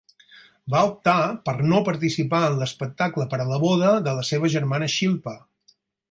Va optar per no participar en l'espectacle per a la boda de la seva germana Shilpa.